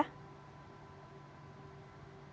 saya cuma berharap saja evakuasi secepatnya